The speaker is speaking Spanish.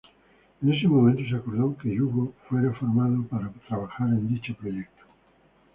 En ese momento se acordó que Yugo fuera formado para trabajar en dicho proyecto.